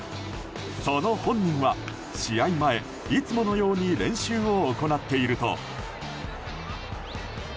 その本人は試合前いつものように練習を行っていると。